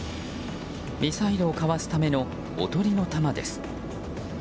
ミサイルをかわすためのおとりの弾です。